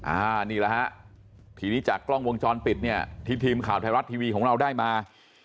อันนี้แหละฮะทีนี้จากกล้องวงจรปิดเนี่ยที่ทีมข่าวไทยรัฐทีวีของเราได้มา